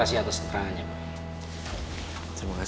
hanya ada satu orang yang kami tangkap